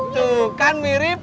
tuh kan mirip